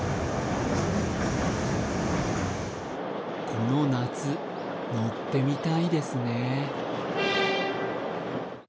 この夏、乗ってみたいですね。